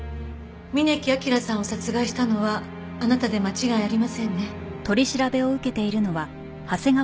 峯木明さんを殺害したのはあなたで間違いありませんね？